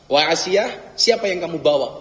wah asyah siapa yang kamu bawa